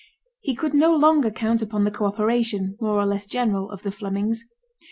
He could no longer count upon the co operation, more or less general, of the Flemings.